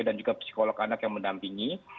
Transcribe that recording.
dan juga psikolog anak yang menampingi